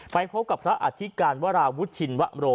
ไปพบกับพระอธิการวราวุฒิชินวโร